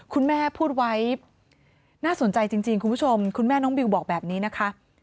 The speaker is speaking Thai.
คุณแม่พูดไว้น่าสนใจจริงคุณผู้ชมคุณแม่น้องบิวบอกแบบนี้นะคะ